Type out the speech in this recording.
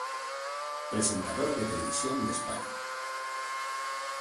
Presentadora de televisión de España.